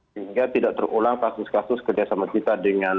sehingga tidak terulang kasus kasus kerjasama kita dengan